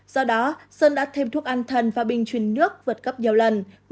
do đó sơn đã thêm thuốc ăn thần và bình chuyển nước vượt cấp nhiều lần